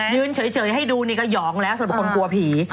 เฉยให้ดูนี่ก็หองแล้วสำหรับคนกลัวผี